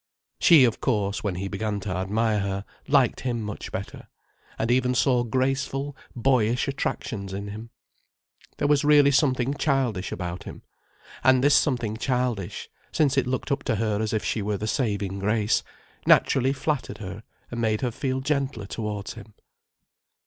She, of course, when he began to admire her, liked him much better, and even saw graceful, boyish attractions in him. There was really something childish about him. And this something childish, since it looked up to her as if she were the saving grace, naturally flattered her and made her feel gentler towards him.